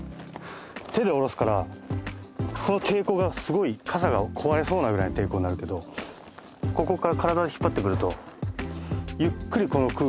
手でおろすからこの抵抗がすごい傘が壊れそうなくらいの抵抗になるけどここから体で引っ張ってくると。